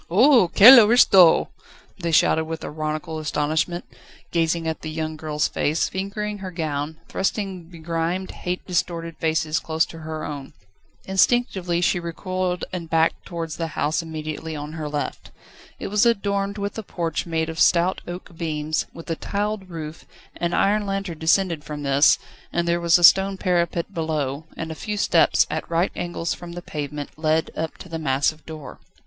"Oho, quelle aristo!" they shouted with ironical astonishment, gazing at the young girl's face, fingering her gown, thrusting begrimed, hate distorted faces close to her own. Instinctively she recoiled and backed towards the house immediately on her left. It was adorned with a porch made of stout oak beams, with a tiled roof; an iron lantern descended from this, and there was a stone parapet below, and a few steps, at right angles from the pavement, led up to the massive door.